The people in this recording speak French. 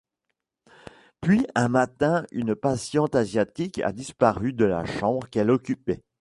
Puis un matin une patiente asiatique a disparu de la chambre qu'elle occupait.